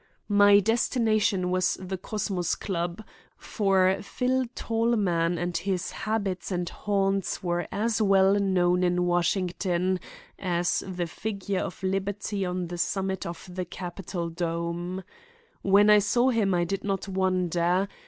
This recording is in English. My destination was the Cosmos Club, for Phil Tallman and his habits and haunts were as well known in Washington as the figure of Liberty on the summit of the Capitol dome. When I saw him I did not wonder.